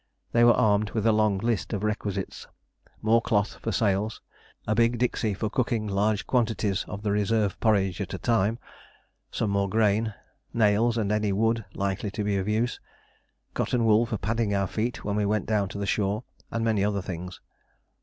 They were armed with a long list of requisites: more cloth for sails; a big dixie for cooking large quantities of the reserve porridge at a time; some more grain; nails and any wood likely to be of use; cotton wool for padding our feet when we went down to the shore; and many other things.